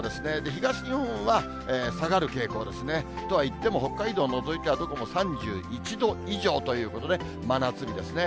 東日本は下がる傾向ですね。とはいっても北海道を除いては、どこも３１度以上ということで、真夏日ですね。